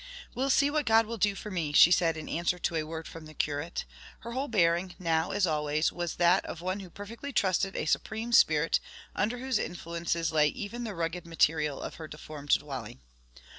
"We'll see what God will do for me," she said in answer to a word from the curate. Her whole bearing, now as always, was that of one who perfectly trusted a supreme spirit under whose influences lay even the rugged material of her deformed dwelling.